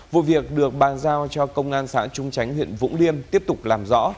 vụ việc được bàn giao cho công an xã trung chánh huyện vũng liêm tiếp tục làm rõ